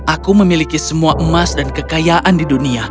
aku memiliki semua emas dan kekayaan di dunia